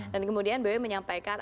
dan kemudian bewe menyampaikan